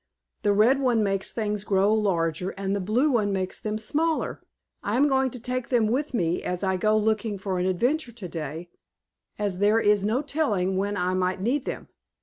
"The red one makes things grow larger and the blue one makes them smaller. I am going to take them with me as I go looking for an adventure today, as there is no telling when I might need them.